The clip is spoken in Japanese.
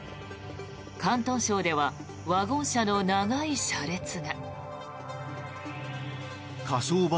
広東省ではワゴン車の長い車列が。